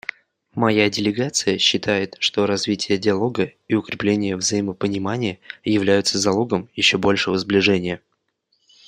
Моя делегация считает, что развитие диалога и укрепление взаимопонимания являются залогом еще большего сближения.